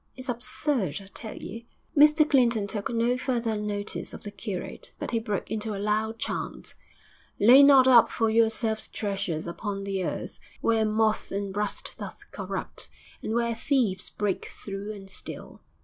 It's absurd, I tell you.' Mr Clinton took no further notice of the curate, but he broke into a loud chant, '"Lay not up for yourselves treasures upon the earth, where moth and rust doth corrupt, and where thieves break through and steal.